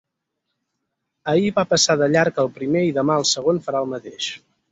Ahir va passar de llarg el primer i demà el segon farà el mateix.